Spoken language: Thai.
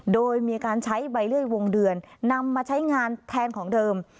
โดยมีการใช้ใบเลื่อยวงเดือนนำมาใช้งานแทนของเดิม